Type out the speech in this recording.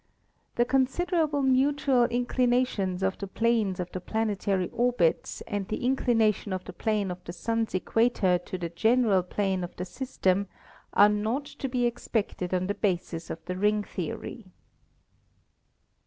The considerable mutual inclinations of the planes of the planetary orbits and the inclination of the plane of the Sun's equator to the general plane of the system are not to be expected on the basis of the ring theory.